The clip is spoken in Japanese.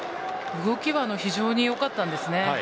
動きは非常によかったです。